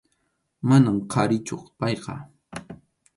Manam qharichu payqa.